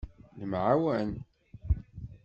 Nemɛawan.